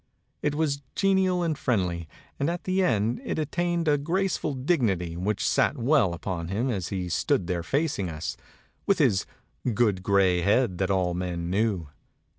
It was genial and friendly; and at the end it attained a graceful dignity which sat well upon him as he stood there facing us, with his "good gray head that all men knew."